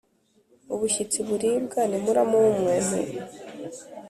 Ubushyitsi buribwa ni muramu w’umuntu.